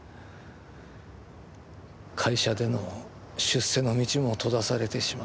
会社での出世の道も閉ざされてしまった。